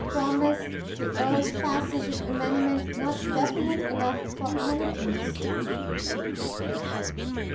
. Promise to Urge Passage of Amendment Not Definite Enough for Militants."